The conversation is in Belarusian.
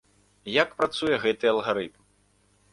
Як працуе гэты алгарытм?